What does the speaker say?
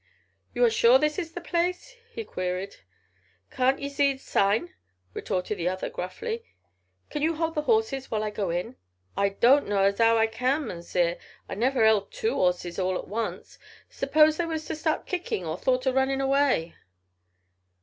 "You are sure this is the place?" he queried. "Can't ye zee the zign?" retorted the other gruffly. "Can you hold the horses while I go in?" "I doan't know as 'ow I can, Mounzeer. I've never 'eld two 'orzes all at once. Suppose they was to start kickin' or thought o' runnin' away?"